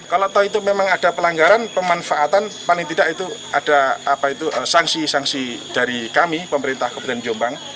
kalau tahu itu memang ada pelanggaran pemanfaatan paling tidak itu ada sanksi sanksi dari kami pemerintah kabupaten jombang